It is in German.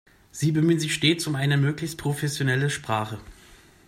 Sie bemühen sich stets um eine möglichst professionelle Sprache.